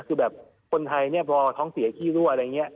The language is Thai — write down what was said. คือแบบคนไทยเนี่ยพอท้องเสียขี้รั่วอะไรอย่างนี้